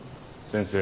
先生。